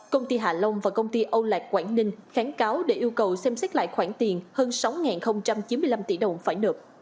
công ty hạ long và công ty âu lạc quảng ninh kháng cáo để yêu cầu xem xét lại khoản tiền hơn sáu chín mươi năm tỷ đồng phải nợ